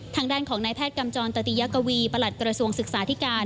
ทางด้านของนายแพทย์กำจรตติยกวีประหลัดกระทรวงศึกษาธิการ